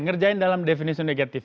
mengerjakan dalam definisi negatif